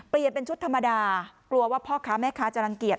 เป็นชุดธรรมดากลัวว่าพ่อค้าแม่ค้าจะรังเกียจ